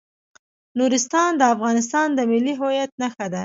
نورستان د افغانستان د ملي هویت نښه ده.